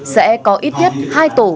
sẽ có ít nhất hai tổ